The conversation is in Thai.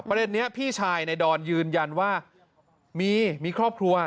ประเด็นนี้พี่ชายในดอนยืนยันว่ามีมีครอบครัว